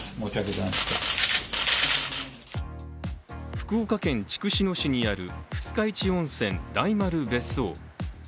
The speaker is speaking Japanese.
福岡県筑紫野市にある二日市温泉大丸別荘。